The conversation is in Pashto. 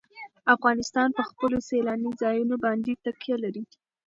افغانستان په خپلو سیلاني ځایونو باندې تکیه لري.